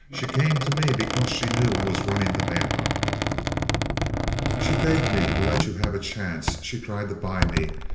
She came to me because she knew I was running the manhunt. She begged me to let you have a chance. She tried to buy me.